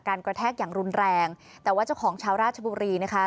กระแทกอย่างรุนแรงแต่ว่าเจ้าของชาวราชบุรีนะคะ